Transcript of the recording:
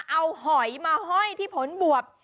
เอาหอยมาห้อยที่ผลบวบ